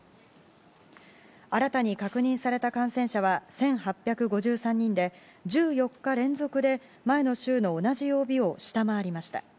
新たに確認された感染者は１８５３人で１４日連続で前の週の同じ曜日を下回りました。